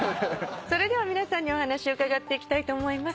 それでは皆さんにお話を伺っていきたいと思います。